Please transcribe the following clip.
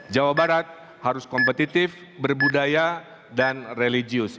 jawa barat harus kompetitif berbudaya dan religius